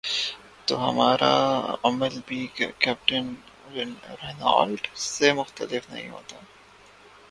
تو ہمارا رد عمل بھی کیپٹن رینالٹ سے مختلف نہیں ہوتا۔